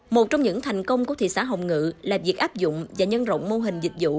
một trong những thành công của thị xã hồng ngự là việc áp dụng và nhân rộng mô hình dịch vụ